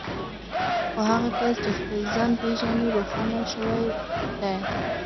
خو هغه کس چې خپل ځان پېژني روښانه شوی دی.